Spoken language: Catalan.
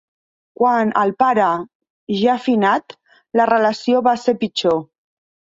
Quant al pare, ja finat, la relació va ser pitjor.